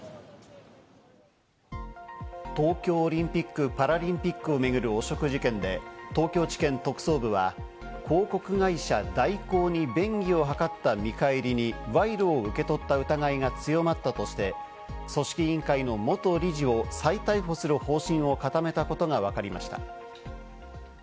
東京オリンピック・パラリンピックを巡る汚職事件で、東京地検特捜部は広告会社・大広に便宜を図った見返りに、賄賂を受け取った疑いが強まったとして組織委員会の元理事を再逮捕する方針を固めたことがわかりました。